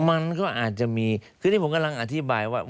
มันก็อาจจะมีคือที่ผมกำลังอธิบายว่า